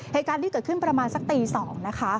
เหตุการณ์ที่เกิดขึ้นประมาณสักตี๒นะคะ